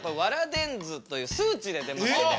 電図という数値で出ますので。